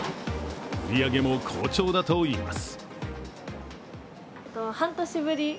売り上げも好調だといいます。